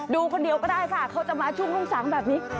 ดูคนเดียวก็ได้ค่ะเขาจะมาช่วงรุ่งสางแบบนี้